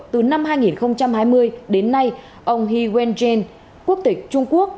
từ năm hai nghìn hai mươi đến nay ông he wen jenn quốc tịch trung quốc